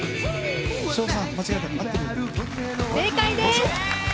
正解です。